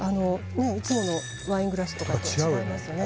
いつものワイングラスとかと違いますよね